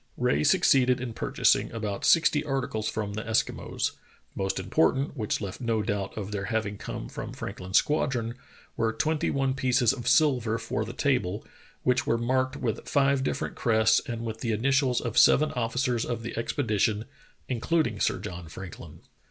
Rae succeeded in purchasing about sixty articles from the Eskimos. The most important, which left no doubt of their having come from Franklin's squadron, were twenty one pieces of silver for the table, which were marked with five different crests and with the initials of seven officers of the expedition, including Sir John Franklin.